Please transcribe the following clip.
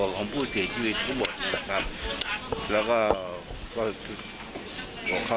คือผู้ติดยาเสพติดทั้งหมดอยู่ค่ะ